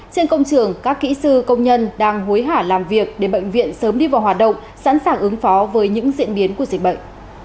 trên công trường các kỹ sư công nhân đang hối hả làm việc để bệnh viện sớm đi vào hoạt động sẵn sàng ứng phó với những diễn biến của dịch bệnh